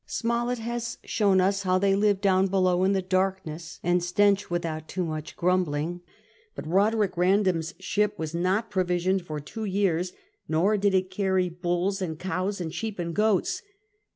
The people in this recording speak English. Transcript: Smollett has shown us how they lived down below in the darkness and the stench without too much grumbling ; but Roderick Random's ship was not provisioned for two years, nor did it carry bulls and cows and sheep and goats.